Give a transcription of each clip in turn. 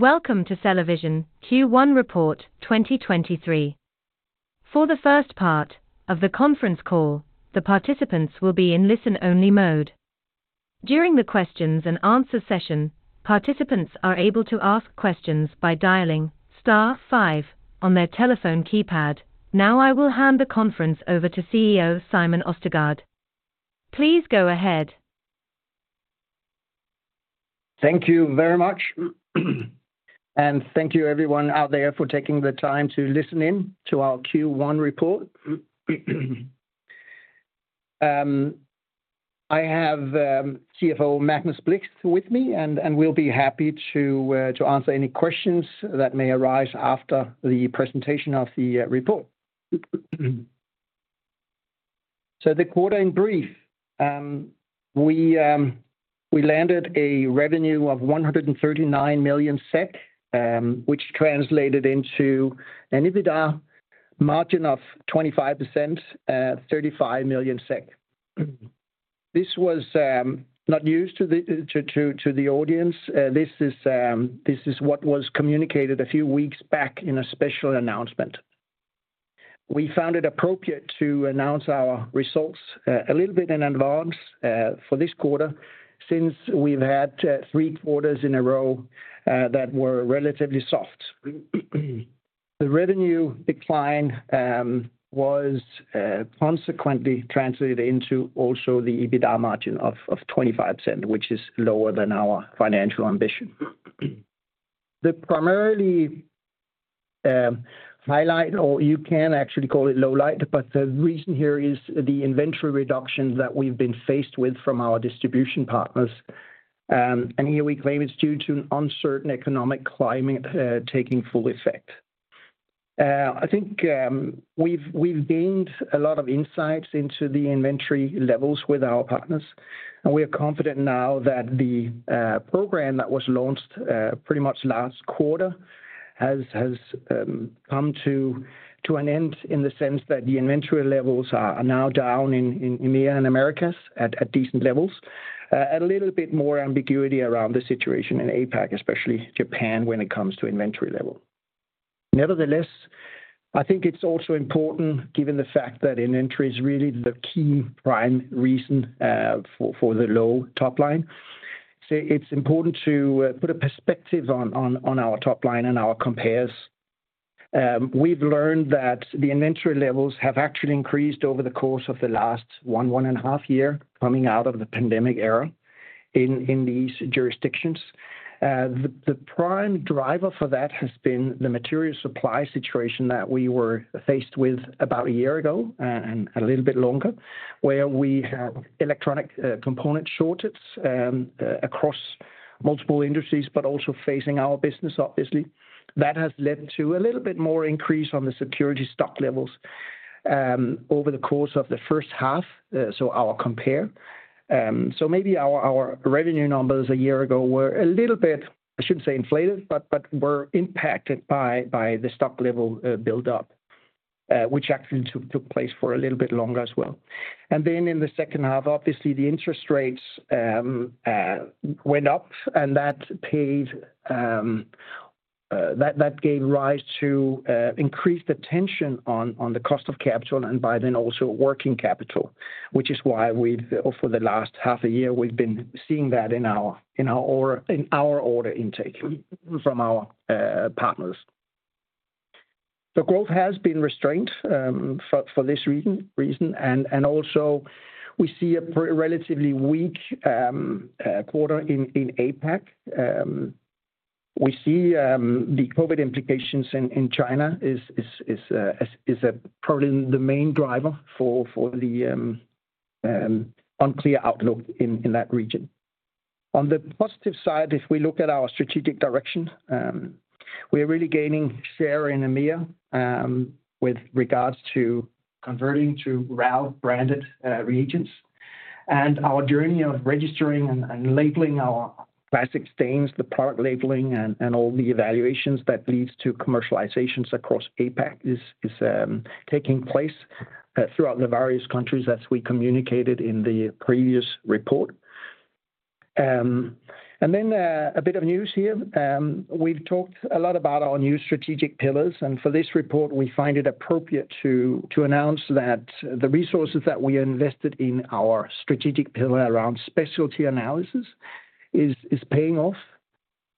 Welcome to CellaVision Q1 report 2023. For the first part of the conference call, the participants will be in listen-only mode. During the questions and answer session, participants are able to ask questions by dialing star five on their telephone keypad. I will hand the conference over to CEO, Simon Østergaard. Please go ahead. Thank you very much. Thank you everyone out there for taking the time to listen in to our Q1 report. I have CFO, Magnus Blixt, with me, and we'll be happy to answer any questions that may arise after the presentation of the report. The quarter in brief. We landed a revenue of 139 million SEK, which translated into an EBITDA margin of 25%, 35 million SEK. This was not news to the audience. This is what was communicated a few weeks back in a special announcement. We found it appropriate to announce our results a little bit in advance for this quarter since we've had three quarters in a row that were relatively soft. The revenue decline was consequently translated into also the EBITDA margin of 25%, which is lower than our financial ambition. The primarily highlight, or you can actually call it lowlight, but the reason here is the inventory reductions that we've been faced with from our distribution partners. Here we claim it's due to an uncertain economic climate taking full effect. I think we've gained a lot of insights into the inventory levels with our partners, and we are confident now that the program that was launched pretty much last quarter has come to an end in the sense that the inventory levels are now down in EMEA and Americas at decent levels. A little bit more ambiguity around the situation in APAC, especially Japan, when it comes to inventory level. I think it's also important given the fact that inventory is really the key prime reason for the low top line. It's important to put a perspective on our top line and our compares. We've learned that the inventory levels have actually increased over the course of the last 1.5 years coming out of the pandemic era in these jurisdictions. The prime driver for that has been the material supply situation that we were faced with about one year ago and a little bit longer, where we had electronic component shortages across multiple industries, but also facing our business obviously. That has led to a little bit more increase on the security stock levels over the course of the first half, so our compare. So maybe our revenue numbers a year ago were a little bit, I shouldn't say inflated, but were impacted by the stock level build-up, which actually took place for a little bit longer as well. Then in the second half, obviously, the interest rates went up and that gave rise to increased attention on the cost of capital and by then also working capital, which is why we've for the last half a year, we've been seeing that in our order intake from our partners. The growth has been restrained for this reason and also we see a relatively weak quarter in APAC. We see the COVID implications in China is probably the main driver for the unclear outlook in that region. On the positive side, if we look at our strategic direction, we're really gaining share in EMEA with regards to converting to RAL branded reagents. Our journey of registering labeling our classic stains, the product labeling all the evaluations that leads to commercializations across APAC is taking place throughout the various countries as we communicated in the previous report. A bit of news here. We've talked a lot about our new strategic pillars, for this report, we find it appropriate to announce that the resources that we invested in our strategic pillar around specialty analysis is paying off.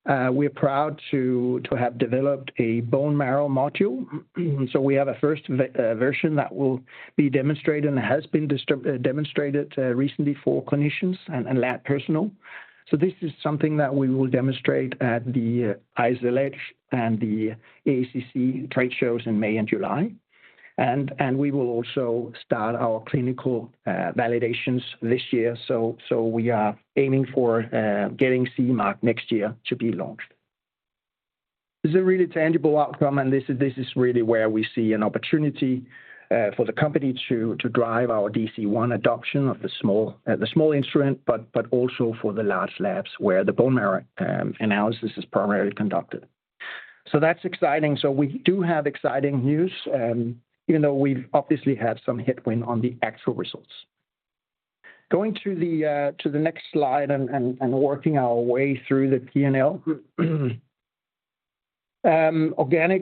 We're proud to have developed a bone marrow module. We have a first version that will be demonstrated and has been demonstrated recently for clinicians and lab personnel. This is something that we will demonstrate at the ISLH and the AACC trade shows in May and July. We will also start our clinical validations this year. We are aiming for getting CE mark next year to be launched. This is a really tangible outcome, and this is really where we see an opportunity for the company to drive our DC-1 adoption of the small instrument, but also for the large labs where the bone marrow analysis is primarily conducted. That's exciting. We do have exciting news, even though we've obviously had some headwind on the actual results. Organic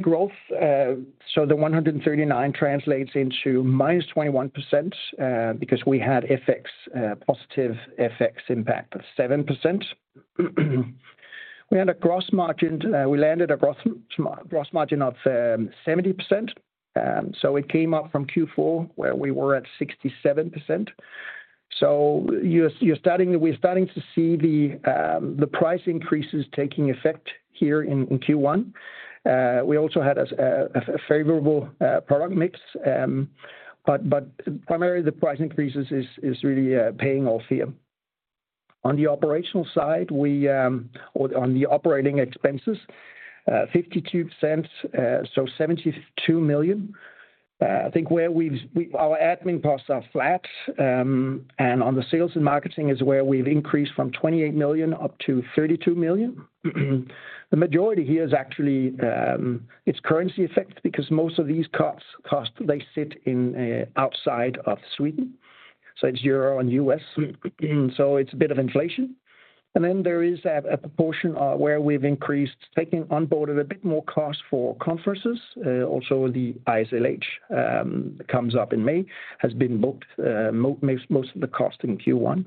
growth, so SEK 139 translates into -21%, because we had FX, positive FX impact of 7%. We landed a gross margin of 70%. It came up from Q4, where we were at 67%. We're starting to see the price increases taking effect here in Q1. We also had a favorable product mix. But primarily the price increases is really paying off here. On the operational side, we, or on the operating expenses, 0.52, so 72 million. I think where our admin costs are flat. On the sales and marketing is where we've increased from 28 million up to 32 million. The majority here is actually, it's currency effect because most of these costs, they sit outside of Sweden, so it's EUR and USD. It's a bit of inflation. There is a proportion where we've increased, taking on board a bit more cost for conferences. Also the ISLH comes up in May, has been booked, most of the cost in Q1.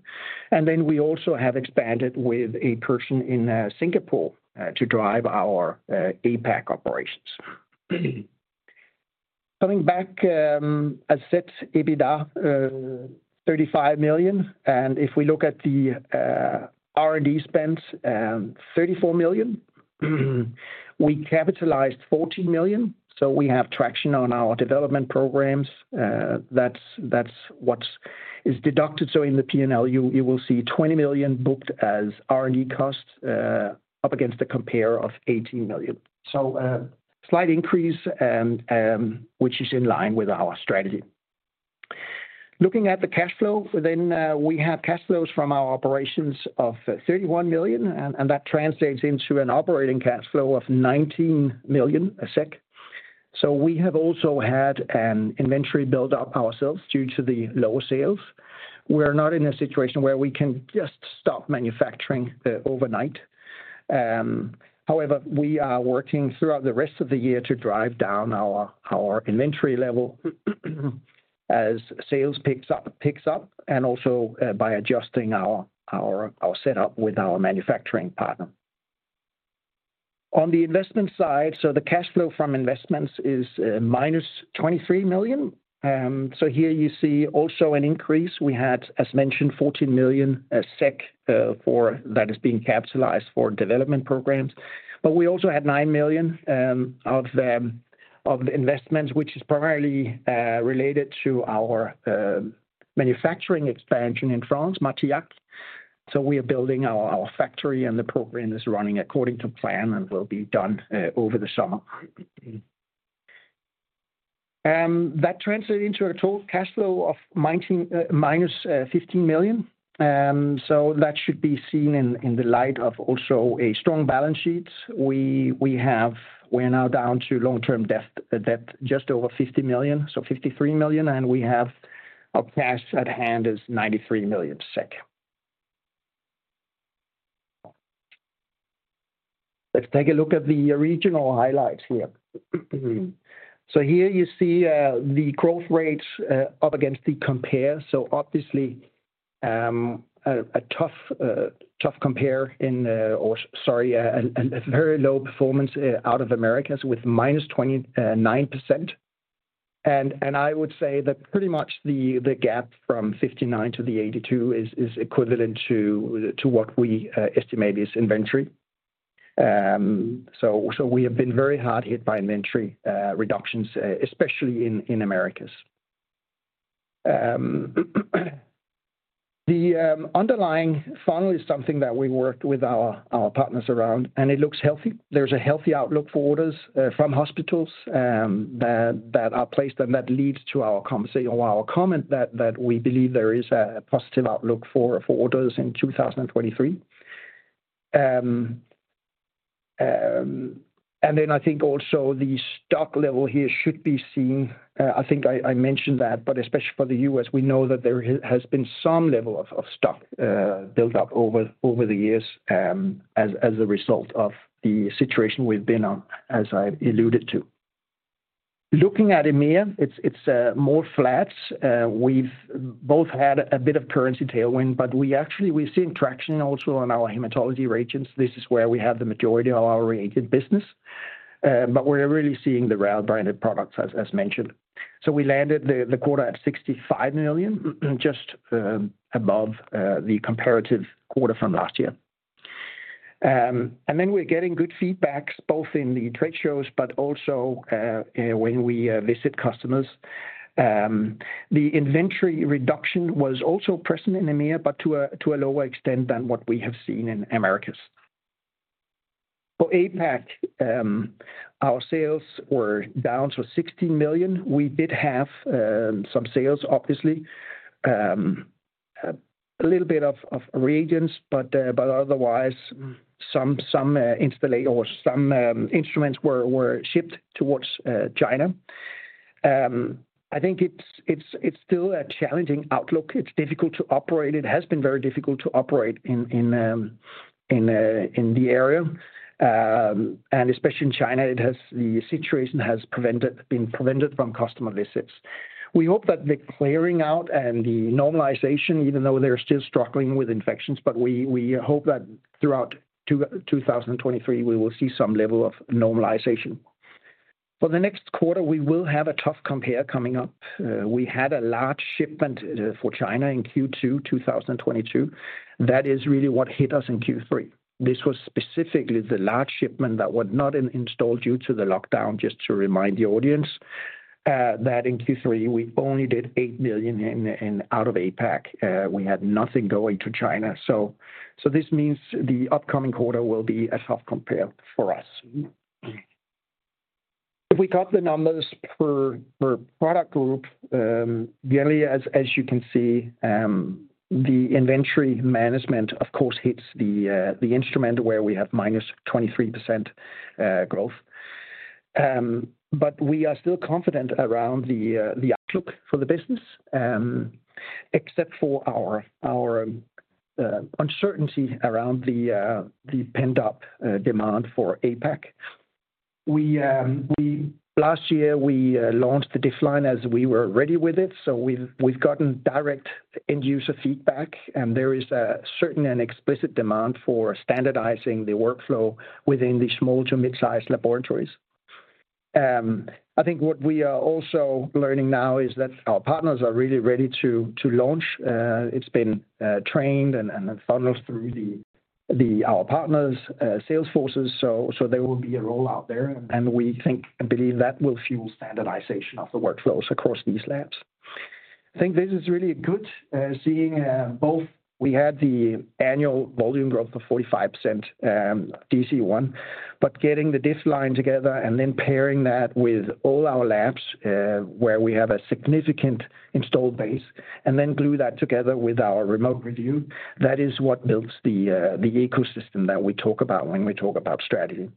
We also have expanded with a person in Singapore to drive our APAC operations. Coming back, as said, EBITDA, 35 million. If we look at the R&D spends, 34 million. We capitalized 14 million, so we have traction on our development programs. That's what is deducted. In the P&L, you will see 20 million booked as R&D costs up against the compare of 18 million. A slight increase and which is in line with our strategy. Looking at the cash flow, we have cash flows from our operations of 31 million, and that translates into an operating cash flow of 19 million. We have also had an inventory build up ourselves due to the lower sales. We're not in a situation where we can just stop manufacturing overnight. However, we are working throughout the rest of the year to drive down our inventory level as sales picks up, and also by adjusting our setup with our manufacturing partner. On the investment side, the cash flow from investments is minus 23 million. Here you see also an increase. We had, as mentioned, 14 million SEK, that is being capitalized for development programs. We also had 9 million of the investments, which is primarily related to our manufacturing expansion in France, Martillac. We are building our factory and the program is running according to plan and will be done over the summer. That translated into a total cash flow of minus 15 million. That should be seen in the light of also a strong balance sheet. We're now down to long-term debt just over 50 million, 53 million, and we have our cash at hand is 93 million SEK. Let's take a look at the regional highlights here. Here you see the growth rates up against the compare. Obviously, a tough compare in, or sorry, a very low performance out of Americas with -29%. I would say that pretty much the gap from 59 to the 82 is equivalent to what we estimate is inventory. We have been very hard hit by inventory reductions, especially in Americas. The underlying funnel is something that we worked with our partners around, and it looks healthy. There's a healthy outlook for orders from hospitals that are placed, and that leads to our comment that we believe there is a positive outlook for orders in 2023. I think also the stock level here should be seen. I think I mentioned that, but especially for the U.S., we know that there has been some level of stock built up over the years as a result of the situation we've been on, as I alluded to. Looking at EMEA, it's more flat. We've both had a bit of currency tailwind, but we actually we've seen traction also on our hematology reagents. This is where we have the majority of our reagent business. We're really seeing the RAL-branded products as mentioned. We landed the quarter at 65 million, just above the comparative quarter from last year. We're getting good feedbacks both in the trade shows, but also when we visit customers. The inventory reduction was also present in EMEA, but to a lower extent than what we have seen in Americas. For APAC, our sales were down to 16 million. We did have some sales, obviously, a little bit of reagents, but otherwise some instruments were shipped towards China. I think it's still a challenging outlook. It's difficult to operate. It has been very difficult to operate in the area. Especially in China, the situation has been prevented from customer visits. We hope that the clearing out and the normalization, even though they're still struggling with infections, but we hope that throughout 2023, we will see some level of normalization. For the next quarter, we will have a tough compare coming up. We had a large shipment for China in Q2 2022. That is really what hit us in Q3. This was specifically the large shipment that was not in-installed due to the lockdown, just to remind the audience that in Q3, we only did 8 million in out of APAC. We had nothing going to China. This means the upcoming quarter will be a tough compare for us. If we cut the numbers per product group, really as you can see, the inventory management, of course, hits the instrument where we have minus 23% growth. We are still confident around the outlook for the business, except for our uncertainty around the pent-up demand for APAC. We Last year, we launched the DIFF-Line as we were ready with it. We've gotten direct end user feedback, and there is a certain and explicit demand for standardizing the workflow within the small to mid-sized laboratories. I think what we are also learning now is that our partners are really ready to launch. It's been trained and funneled through our partners sales forces. There will be a rollout there, and we think and believe that will fuel standardization of the workflows across these labs. I think this is really good, seeing both we had the annual volume growth of 45%, DC-1, but getting the DIFF-Line together and then pairing that with all our labs, where we have a significant installed base, and then glue that together with our Remote Review, that is what builds the ecosystem that we talk about when we talk about strategy.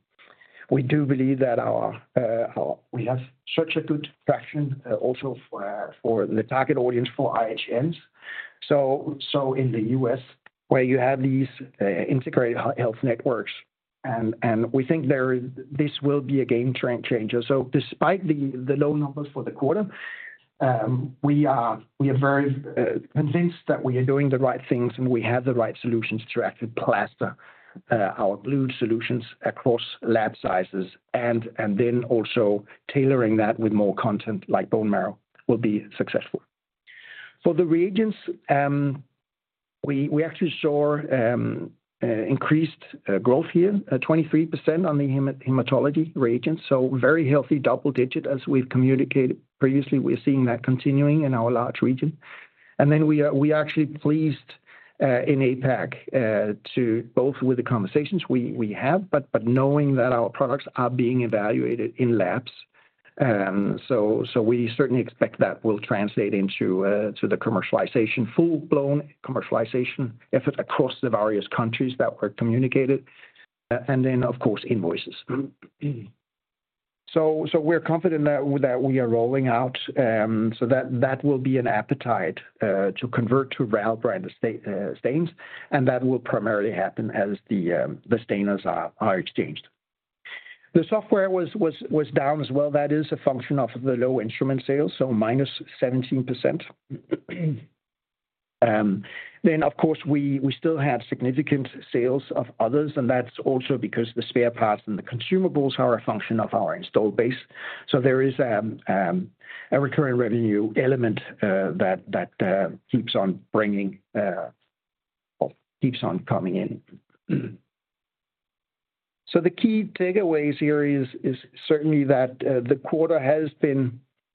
We do believe that we have such a good traction also for for the target audience for IHNs. In the U.S., where you have these Integrated Health Networks, we think this will be a game changer. Despite the low numbers for the quarter, we are very convinced that we are doing the right things and we have the right solutions to actually plaster our glued solutions across lab sizes and then also tailoring that with more content like bone marrow will be successful. For the reagents, we actually saw increased growth here, 23% on the hematology reagents. Very healthy double digit. As we've communicated previously, we're seeing that continuing in our large region. We are actually pleased in APAC to both with the conversations we have, but knowing that our products are being evaluated in labs. We certainly expect that will translate into to the commercialization, full-blown commercialization effort across the various countries that were communicated, of course, invoices. We're confident that we are rolling out, so that will be an appetite to convert to RAL brand stains, and that will primarily happen as the stainers are exchanged. The software was down as well. That is a function of the low instrument sales, so minus 17%. Of course, we still have significant sales of others, and that's also because the spare parts and the consumables are a function of our installed base. There is a recurring revenue element that keeps on bringing or keeps on coming in. The key takeaways here is certainly that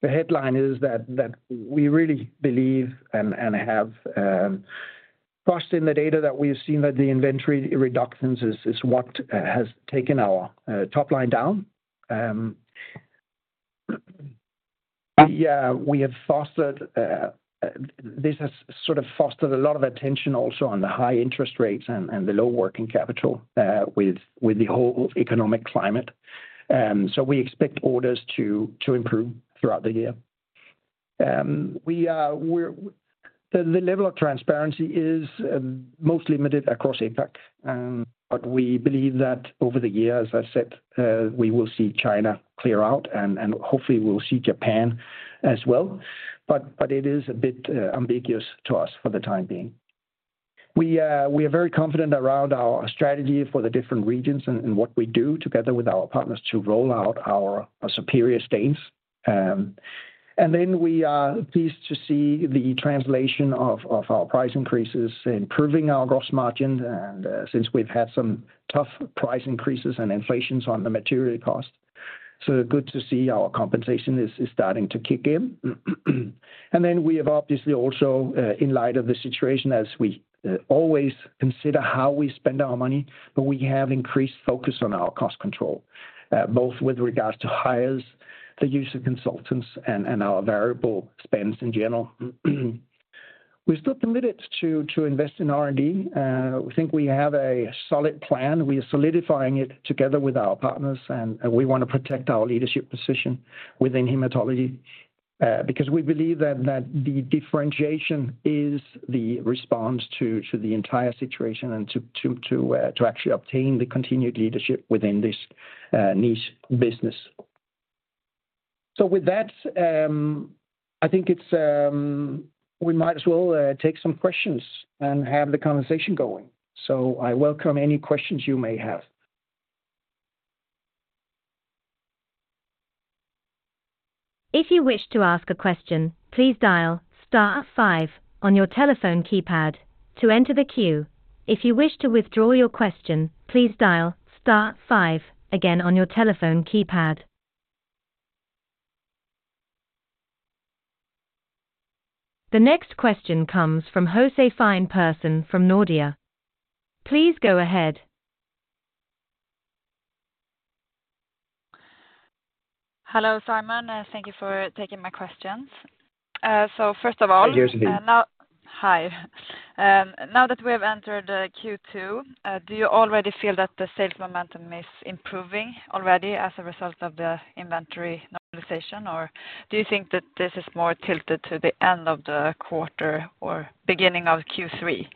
the headline is that we really believe and have trusted in the data that we've seen that the inventory reductions is what has taken our top line down. We have fostered this has sort of fostered a lot of attention also on the high interest rates and the low working capital with the whole economic climate. We expect orders to improve throughout the year. The level of transparency is most limited across APAC, but we believe that over the years, as I said, we will see China clear out and hopefully we'll see Japan as well. It is a bit ambiguous to us for the time being. We are very confident around our strategy for the different regions and what we do together with our partners to roll out our superior stains. We are pleased to see the translation of our price increases improving our gross margin, since we've had some tough price increases and inflations on the material cost. Good to see our compensation is starting to kick in. We have obviously also, in light of the situation as we always consider how we spend our money, but we have increased focus on our cost control, both with regards to hires, the use of consultants, and our variable spends in general. We're still committed to invest in R&D. We think we have a solid plan. We are solidifying it together with our partners. We wanna protect our leadership position within hematology because we believe that the differentiation is the response to the entire situation and to actually obtain the continued leadership within this niche business. With that, I think it's, we might as well take some questions and have the conversation going. I welcome any questions you may have. If you wish to ask a question, please dial star five on your telephone keypad to enter the queue. If you wish to withdraw your question, please dial star five again on your telephone keypad. The next question comes from Josie Vilter Person from Nordea. Please go ahead. Hello, Simon. Thank you for taking my questions. Hi, Jose. Now, Hi, now that we have entered the Q2, do you already feel that the sales momentum is improving already as a result of the inventory normalization, or do you think that this is more tilted to the end of the quarter or beginning of Q3?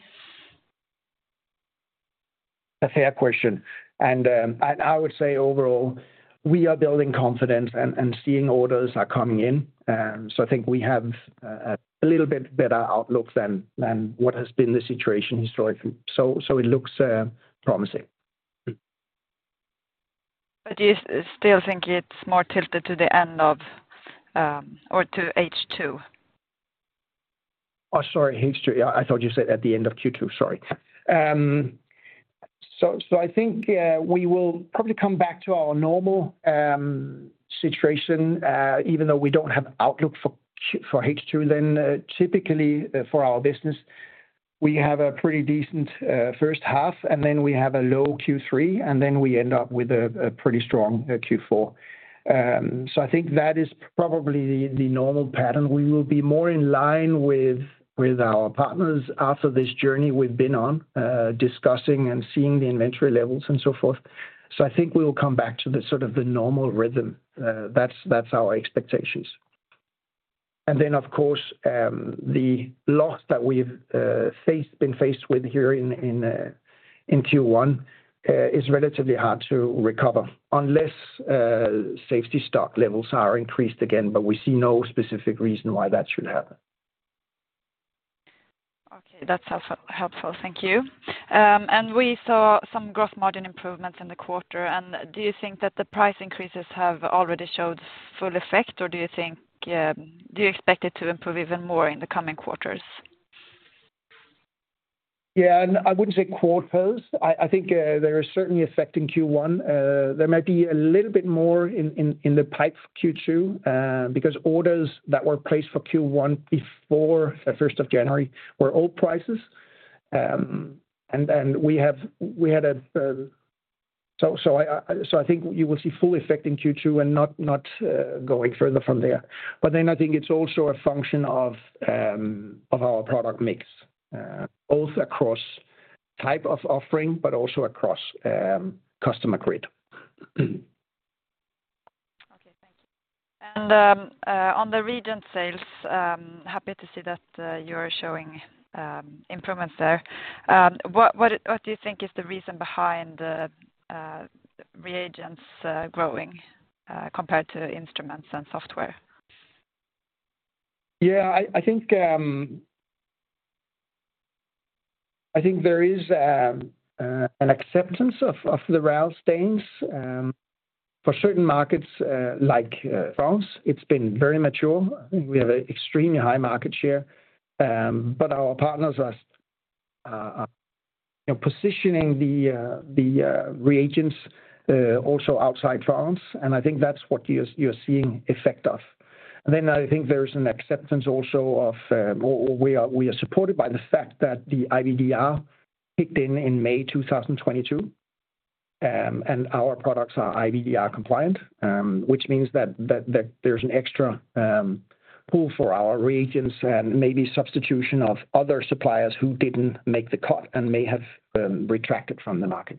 A fair question. I would say overall, we are building confidence and seeing orders are coming in. I think we have a little bit better outlook than what has been the situation historically. It looks promising. Do you still think it's more tilted to the end of, or to H2? Oh, sorry. H2. I thought you said at the end of Q2. Sorry. I think we will probably come back to our normal situation. Even though we don't have outlook for H2, typically for our business, we have a pretty decent first half, and then we have a low Q3, and then we end up with a pretty strong Q4. I think that is probably the normal pattern. We will be more in line with our partners after this journey we've been on, discussing and seeing the inventory levels and so forth. I think we will come back to the sort of the normal rhythm. That's our expectations. Of course, the loss that we've been faced with here in Q1, is relatively hard to recover unless, safety stock levels are increased again, but we see no specific reason why that should happen. Okay. That's helpful. Thank you. We saw some gross margin improvements in the quarter. Do you think that the price increases have already showed full effect, or do you think, do you expect it to improve even more in the coming quarters? Yeah. I wouldn't say quarters. I think, they're certainly affecting Q1. There might be a little bit more in the pipe Q2, because orders that were placed for Q1 before the 1st of January were old prices. I think you will see full effect in Q2 and not going further from there. I think it's also a function of our product mix, both across type of offering but also across customer grid. Okay, thank you. On the reagent sales, happy to see that you're showing improvements there. What do you think is the reason behind the reagents growing compared to instruments and software? Yeah, I think there is an acceptance of the RAL stains for certain markets, like France. It's been very mature. I think we have a extremely high market share. Our partners are, you know, positioning the reagents also outside France, and I think that's what you're seeing effect of. I think there's an acceptance also of, or we are supported by the fact that the IVDR kicked in in May 2022, and our products are IVDR compliant, which means that there's an extra pull for our reagents and maybe substitution of other suppliers who didn't make the cut and may have retracted from the market.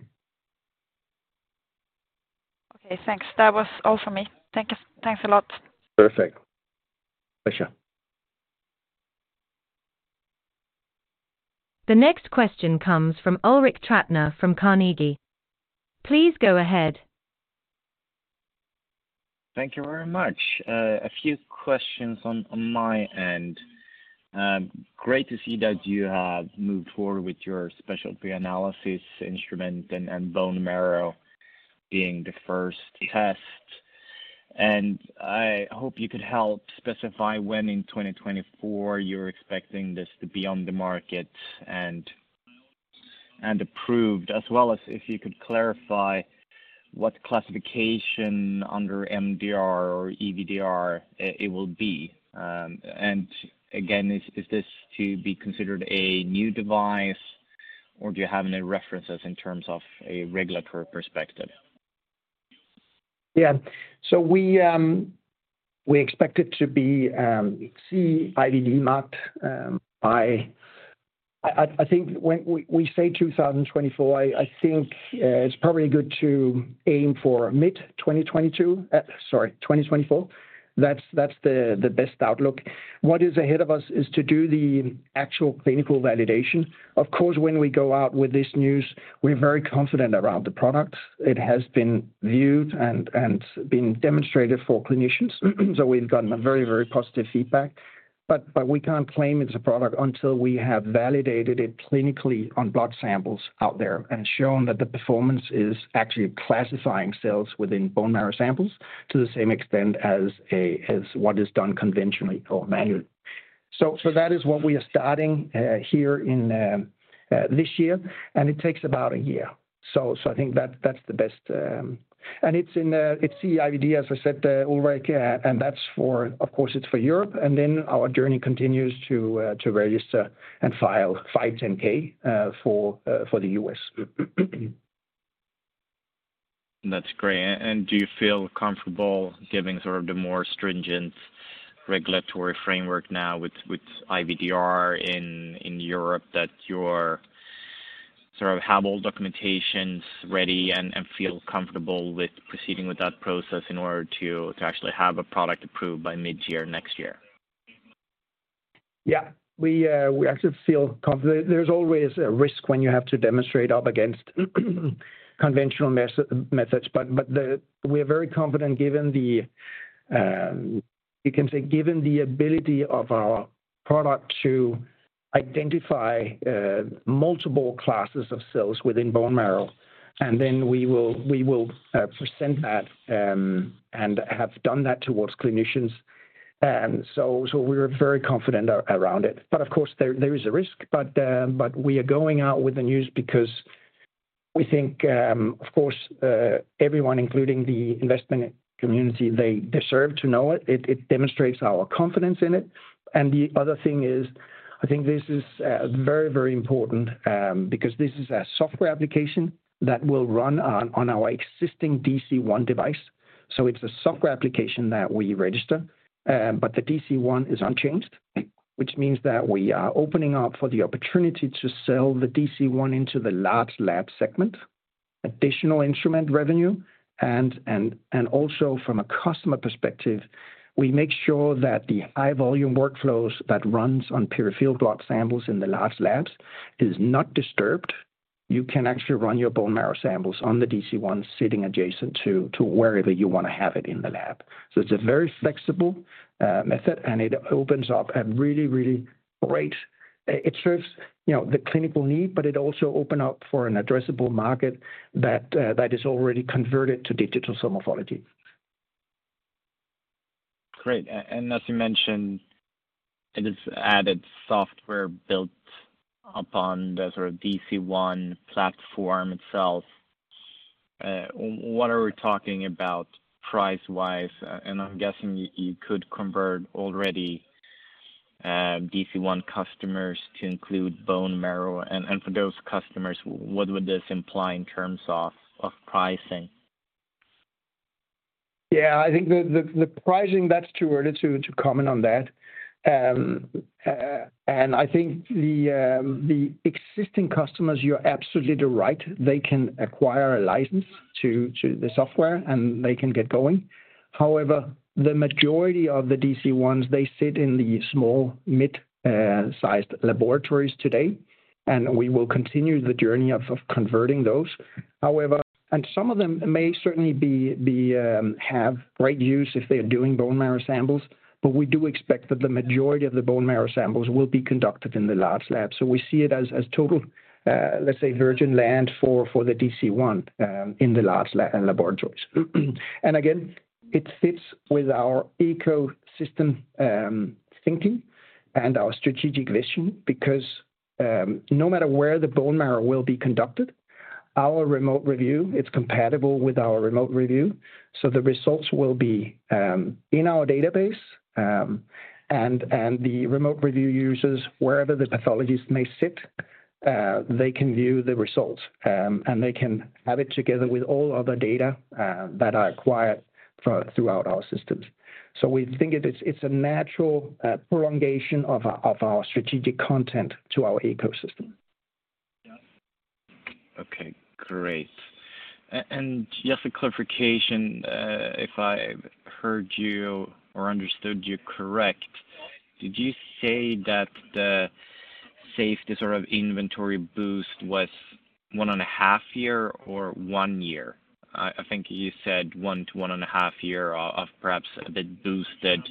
Okay, thanks. That was all for me. Thank you. Thanks a lot. Perfect. Pleasure. The next question comes from Ulrik Trattner from Carnegie. Please go ahead. Thank you very much. A few questions on my end. Great to see that you have moved forward with your specialty analysis instrument and bone marrow being the first test. I hope you could help specify when in 2024 you're expecting this to be on the market and approved, as well as if you could clarify what classification under MDR or IVDR it will be. Again, is this to be considered a new device, or do you have any references in terms of a regulatory perspective? Yeah. We expect it to be CE IVD marked. I think when we say 2024, I think it's probably good to aim for mid-2024. That's the best outlook. What is ahead of us is to do the actual clinical validation. When we go out with this news, we're very confident around the product. It has been viewed and been demonstrated for clinicians. We've gotten a very positive feedback. But we can't claim it's a product until we have validated it clinically on blood samples out there and shown that the performance is actually classifying cells within bone marrow samples to the same extent as what is done conventionally or manually. That is what we are starting here this year, and it takes about a year. I think that's the best. It's CE IVD, as I said, Ulrike, and that's for, of course, it's for Europe. Our journey continues to register and file 510(k) for the U.S.. That's great. Do you feel comfortable giving sort of the more stringent regulatory framework now with IVDR in Europe that sort of have all documentations ready and feel comfortable with proceeding with that process in order to actually have a product approved by mid-year next year? Yeah. We actually feel confident. There's always a risk when you have to demonstrate up against conventional methods, but we are very confident given the, you can say, given the ability of our product to identify multiple classes of cells within bone marrow, and then we will present that and have done that towards clinicians. We're very confident around it. Of course, there is a risk. We are going out with the news because we think, of course, everyone, including the investment community, they deserve to know it. It demonstrates our confidence in it. The other thing is, I think this is very important because this is a software application that will run on our existing DC-1 device. It's a software application that we register, but the DC-1 is unchanged, which means that we are opening up for the opportunity to sell the DC-1 into the large lab segment, additional instrument revenue. Also from a customer perspective, we make sure that the high volume workflows that runs on pure field blood samples in the large labs is not disturbed. Actually run your bone marrow samples on the DC-1 sitting adjacent to wherever you wanna have it in the lab. It's a very flexible method, and it opens up a great. It serves, you know, the clinical need, but it also open up for an addressable market that is already converted to digital morphology. Great. As you mentioned, it is added software built upon the sort of DC-1 platform itself. What are we talking about price-wise? I'm guessing you could convert already DC-1 customers to include bone marrow. For those customers, what would this imply in terms of pricing? Yeah. I think the pricing, that's too early to comment on that. I think the existing customers, you're absolutely right. They can acquire a license to the software, and they can get going. However, the majority of the DC-1s, they sit in the small, mid-sized laboratories today, and we will continue the journey of converting those. However, some of them may certainly be, have great use if they're doing bone marrow samples, but we do expect that the majority of the bone marrow samples will be conducted in the large lab. We see it as total, let's say, virgin land for the DC-1 in the large laboratories. Again, it fits with our ecosystem thinking and our strategic vision because no matter where the bone marrow will be conducted, our Remote Review, it's compatible with our Remote Review, so the results will be in our database. The Remote Review users, wherever the pathologist may sit, they can view the results. They can have it together with all other data that are acquired throughout our systems. We think it's a natural prolongation of our strategic content to our ecosystem. Yeah. Okay. Great. Just a clarification, if I heard you or understood you correct, did you say that the safety sort of inventory boost was 1.5 years or one year? I think you said 1-1.5 years of perhaps the boosted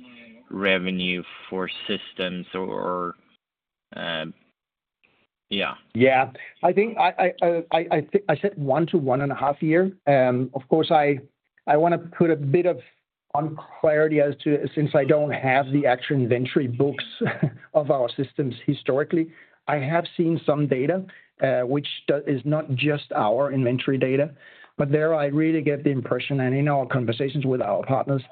revenue for systems or. Yeah. Yeah. I think I said one to one and a half year. Of course I wanna put a bit of on clarity as to, since I don't have the actual inventory books of our systems historically. I have seen some data, which is not just our inventory data, but there I really get the impression, and in our conversations with our partners,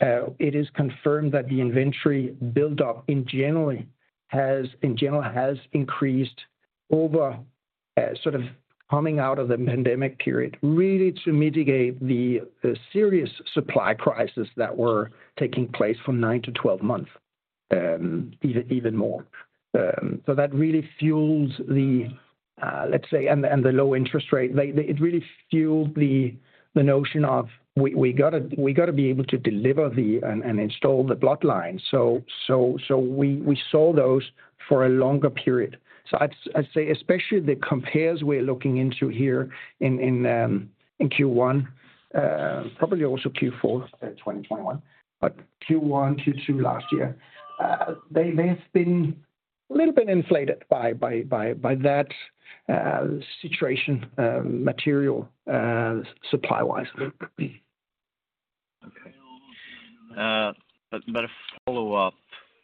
it is confirmed that the inventory buildup in general has increased over as sort of coming out of the pandemic period, really to mitigate the serious supply crisis that were taking place from nine to 12 months, even more. That really fueled the and the low interest rate. It really fueled the notion of we gotta, we gotta be able to deliver and install the blood line. We sold those for a longer period. I'd say especially the compares we're looking into here in Q1, probably also Q4 2021, but Q1, Q2 last year, they've been a little bit inflated by that situation, material, supply-wise. Okay. A follow-up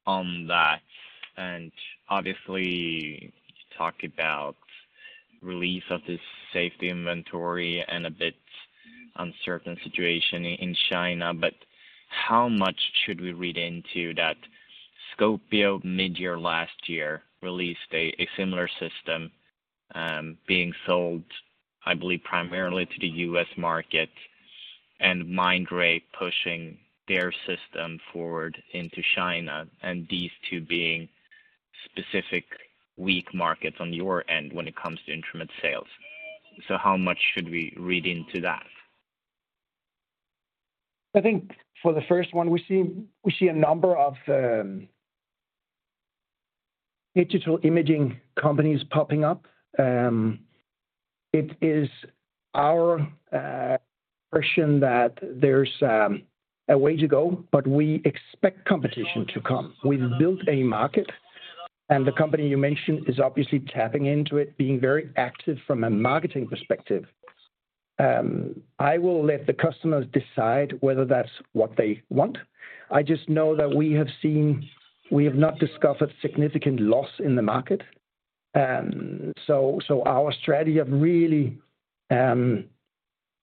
on that, obviously you talked about release of this safety inventory and a bit uncertain situation in China, but how much should we read into that Scopio midyear last year released a similar system, being sold, I believe, primarily to the U.S. market, and Mindray pushing their system forward into China, and these two being specific weak markets on your end when it comes to instrument sales? How much should we read into that? I think for the first one, we see a number of digital imaging companies popping up. It is our impression that there's a way to go, but we expect competition to come. We've built a market, and the company you mentioned is obviously tapping into it, being very active from a marketing perspective. I will let the customers decide whether that's what they want. I just know that we have not discovered significant loss in the market. Our strategy of really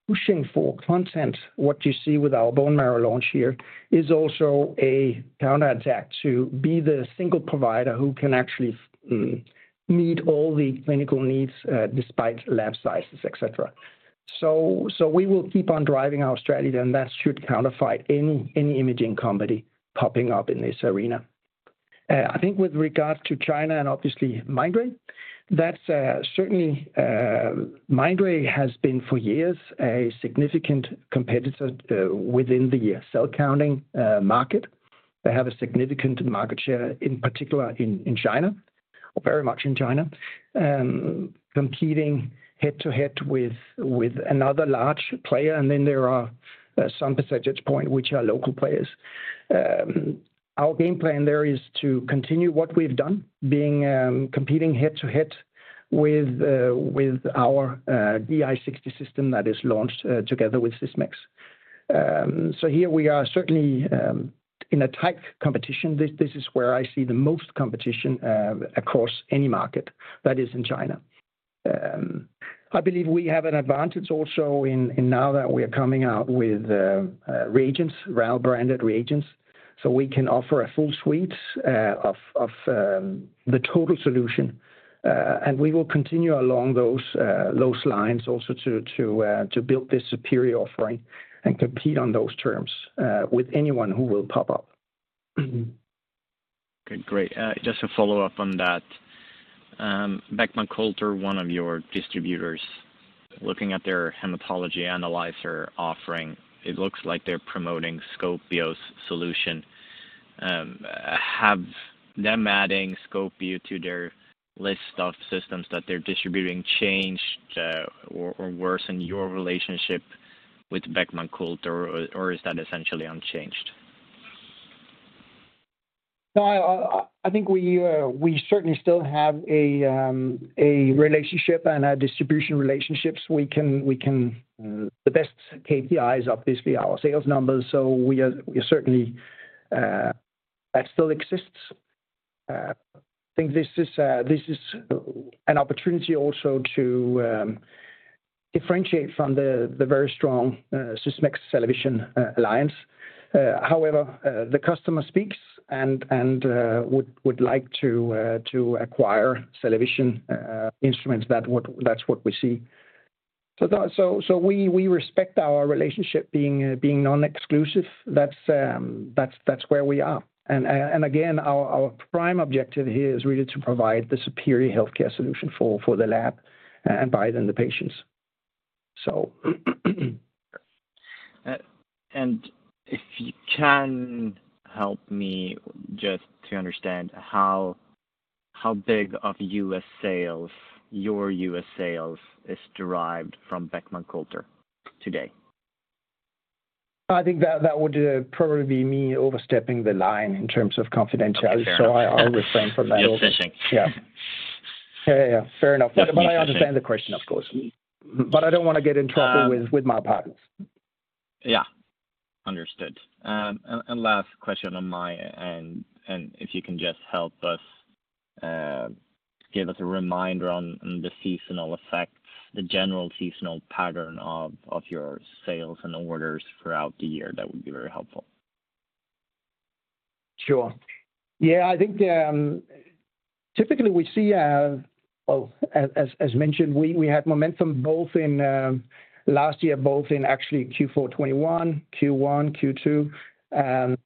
pushing for content, what you see with our bone marrow launch here, is also a counterattack to be the single provider who can actually meet all the clinical needs despite lab sizes, et cetera. We will keep on driving our strategy, and that should counterfight any imaging company popping up in this arena. I think with regards to China and obviously Mindray, that's certainly Mindray has been for years a significant competitor within the cell counting market. They have a significant market share, in particular in China, or very much in China, competing head-to-head with another large player. Then there are some percentage point which are local players. Our game plan there is to continue what we've done, being competing head-to-head with our DI60 system that is launched together with Sysmex. Here we are certainly in a tight competition. This is where I see the most competition across any market that is in China. I believe we have an advantage also in now that we are coming out with reagents, RAL-branded reagents, so we can offer a full suite of the total solution. We will continue along those lines also to build this superior offering and compete on those terms with anyone who will pop up. Okay, great. Just to follow up on that, Beckman Coulter, one of your distributors, looking at their hematology analyzer offering, it looks like they're promoting Scopio's solution. Have them adding Scopio to their list of systems that they're distributing changed or worsened your relationship with Beckman Coulter or is that essentially unchanged? No, I think we certainly still have a relationship and our distribution relationships, we can. The best KPI is obviously our sales numbers, so we certainly that still exists. I think this is, this is an opportunity also to differentiate from the very strong, Sysmex CellaVision alliance. The customer speaks and would like to acquire CellaVision instruments. That's what we see. We respect our relationship being non-exclusive. That's where we are. Again, our prime objective here is really to provide the superior healthcare solution for the lab and by then the patients. So If you can help me just to understand how big of U.S. sales, your U.S. sales is derived from Beckman Coulter today? I think that would, probably be me overstepping the line in terms of confidentiality. Okay, fair enough. I'll refrain from that also. Just fishing. Yeah. Yeah, yeah. Fair enough. Just fishing. I understand the question, of course. I don't wanna get in trouble with- Um- With my partners. Yeah. Understood. And last question on my end, if you can just help us give us a reminder on the seasonal effects, the general seasonal pattern of your sales and orders throughout the year, that would be very helpful. Sure. I think typically we see, as mentioned, we had momentum both in last year, actually Q4 2021, Q1, Q2.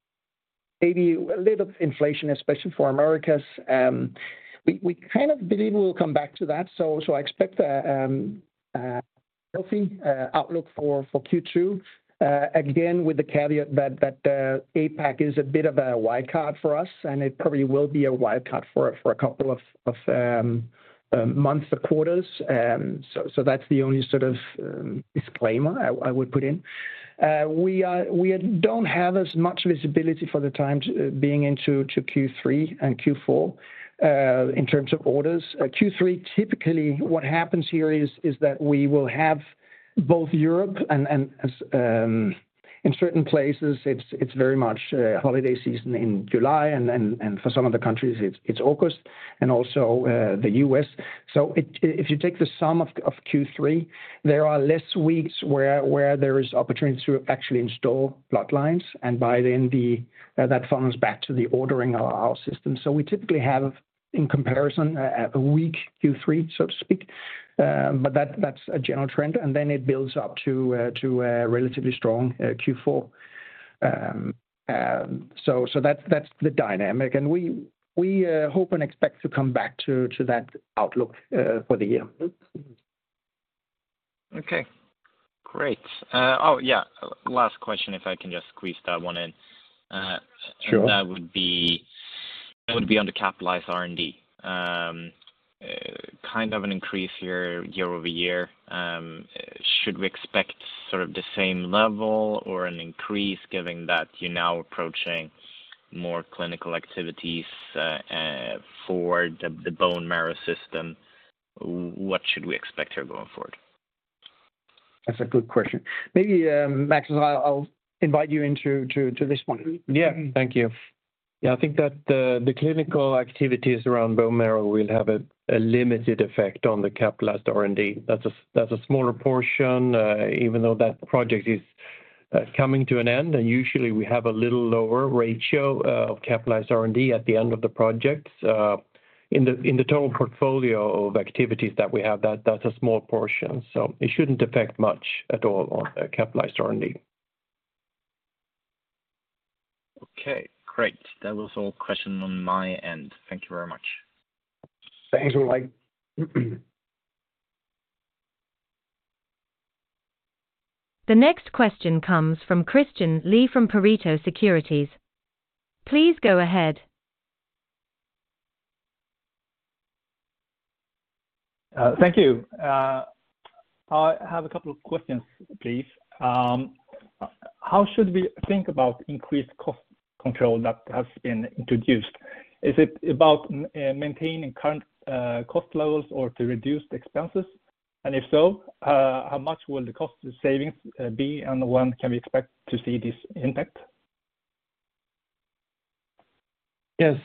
Maybe a little bit inflation, especially for Americas. We kind of believe we'll come back to that. I expect a healthy outlook for Q2, again, with the caveat that APAC is a bit of a wild card for us, and it probably will be a wild card for a couple of months or quarters. That's the only sort of disclaimer I would put in. We don't have as much visibility for the time being into Q3 and Q4 in terms of orders. Q3, typically what happens here is that we will have both Europe and, as in certain places it's very much a holiday season in July and for some of the countries it's August and also the U.S. If you take the sum of Q3, there are less weeks where there is opportunity to actually install blood lines, and by then that funnels back to the ordering our systems. We typically have in comparison a weak Q3, so to speak. That's a general trend. It builds up to a relatively strong Q4. That's the dynamic. We hope and expect to come back to that outlook for the year. Okay, great. Oh, yeah, last question, if I can just squeeze that one in. Sure. That would be on the capitalized R&D, kind of an increase year-over-year. Should we expect sort of the same level or an increase given that you're now approaching more clinical activities for the bone marrow system? What should we expect here going forward? That's a good question. Maybe, Max, I'll invite you into to this one. Thank you. I think that the clinical activities around bone marrow will have a limited effect on the capitalized R&D. That's a smaller portion. Even though that project is coming to an end, usually we have a little lower ratio of capitalized R&D at the end of the project. In the total portfolio of activities that we have, that's a small portion, so it shouldn't affect much at all on the capitalized R&D. Okay, great. That was all questions on my end. Thank you very much. Thanks, Ulrik. The next question comes from Christian Lee from Pareto Securities. Please go ahead. Thank you. I have a couple of questions, please. How should we think about increased cost control that has been introduced? Is it about maintaining current cost levels or to reduce the expenses? If so, how much will the cost savings be, and when can we expect to see this impact? Yes,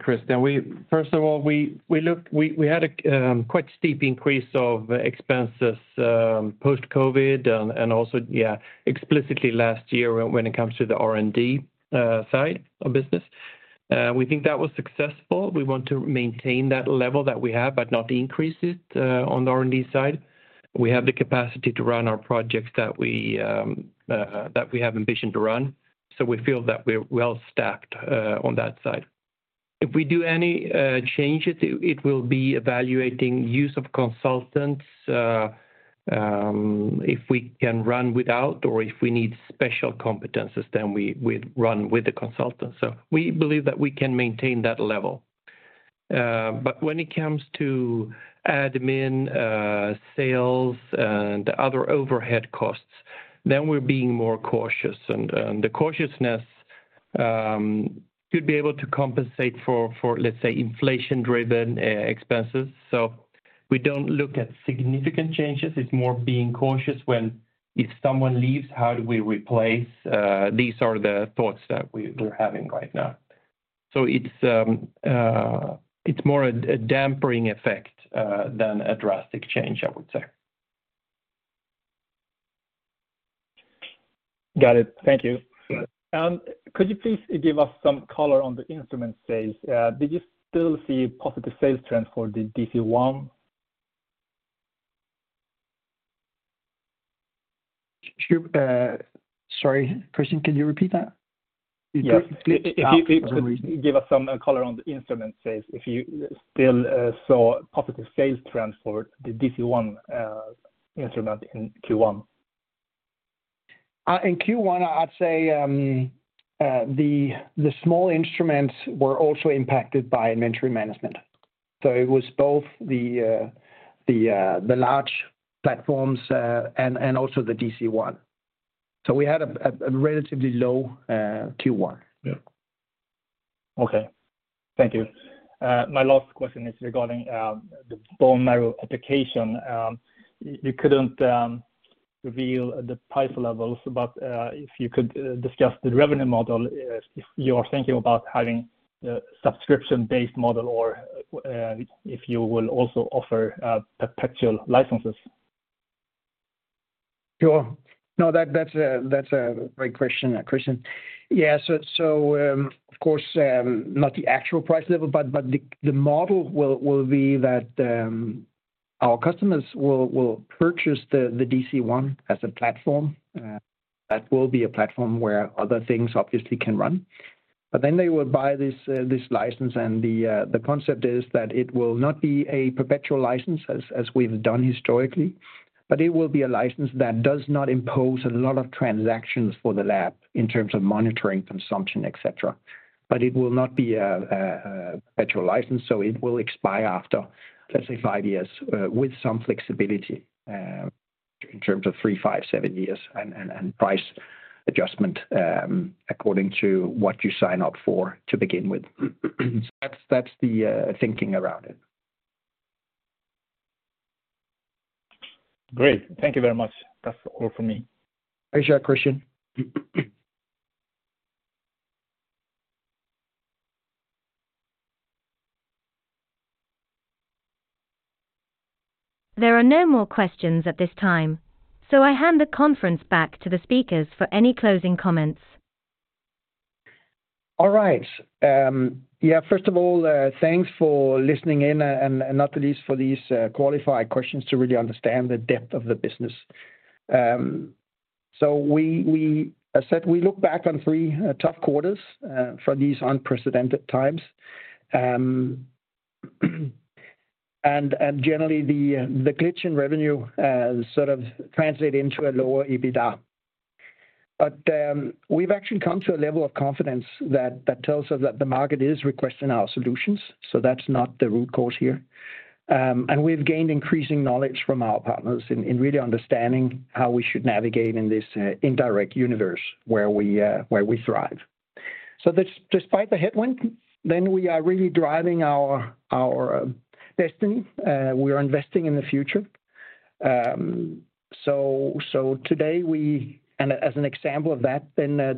Christian, first of all, we had a quite steep increase of expenses post COVID and also, yeah, explicitly last year when it comes to the R&D side of business. We think that was successful. We want to maintain that level that we have, but not increase it on the R&D side. We have the capacity to run our projects that we have ambition to run, so we feel that we're well staffed on that side. If we do any changes, it will be evaluating use of consultants. If we can run without or if we need special competencies, then we'd run with the consultants. We believe that we can maintain that level. When it comes to admin, sales, and other overhead costs, then we're being more cautious. The cautiousness should be able to compensate for, let's say, inflation-driven e-expenses. We don't look at significant changes. It's more being cautious when if someone leaves, how do we replace? These are the thoughts that we're having right now. It's more a dampening effect than a drastic change, I would say. Got it. Thank you. Sure. Could you please give us some color on the instrument sales? Did you still see positive sales trends for the DC-1? Sure. sorry, Christian, can you repeat that? Yes. If you could give us some color on the instrument sales, if you still saw positive sales trends for the DC-1 instrument in Q1. In Q1, I'd say, the small instruments were also impacted by inventory management. It was both the large platforms and also the DC-1. We had a relatively low Q1. Yeah. Okay. Thank you. My last question is regarding the bone marrow application. You couldn't reveal the price levels, but if you could discuss the revenue model, if you are thinking about having a subscription-based model or if you will also offer perpetual licenses. Sure. No, that's a great question, Christian. Of course, not the actual price level, but the model will be that our customers will purchase the DC-1 as a platform. That will be a platform where other things obviously can run. They will buy this license and the concept is that it will not be a perpetual license as we've done historically, but it will be a license that does not impose a lot of transactions for the lab in terms of monitoring consumption, et cetera. It will not be a perpetual license, so it will expire after, let's say, five years, with some flexibility, in terms of three, five, seven years and price adjustment, according to what you sign up for to begin with. That's the thinking around it. Great. Thank you very much. That's all for me. Thank you, Christian. There are no more questions at this time, so I hand the conference back to the speakers for any closing comments. All right. Yeah, first of all, thanks for listening in, and not least for these qualified questions to really understand the depth of the business. We as said, we look back on three tough quarters for these unprecedented times. Generally the glitch in revenue sort of translate into a lower EBITDA. We've actually come to a level of confidence that tells us that the market is requesting our solutions, so that's not the root cause here. We've gained increasing knowledge from our partners in really understanding how we should navigate in this indirect universe where we thrive. Despite the headwind, then we are really driving our destiny. We are investing in the future.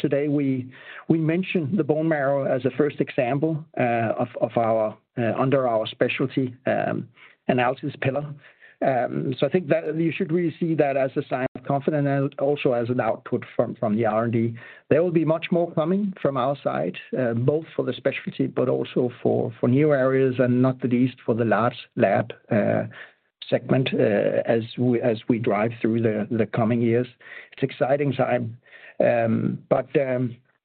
Today we mentioned the bone marrow as a first example of our under our specialty analysis pillar. I think that you should really see that as a sign of confidence and also as an output from the R&D. There will be much more coming from our side, both for the specialty but also for new areas and not the least for the large lab segment as we drive through the coming years. It's exciting time.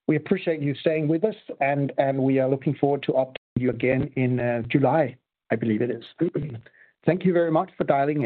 We appreciate you staying with us and we are looking forward to updating you again in July, I believe it is. Thank you very much for dialing in.